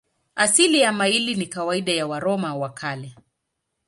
Asili ya maili ni kawaida ya Waroma wa Kale.